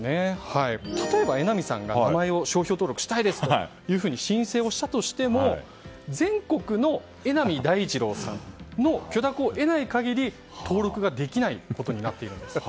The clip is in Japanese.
例えば榎並さんが名前を商標登録したいですと申請をしたとしても全国の榎並大二郎さんの許諾を得ない限り登録ができないことになっているんです。